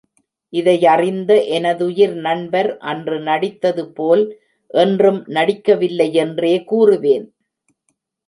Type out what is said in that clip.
இதையறிந்த எனதுயிர் நண்பர் அன்று நடித்தது போல் என்றும் நடிக்கவில்லை யென்றே கூறுவேன்.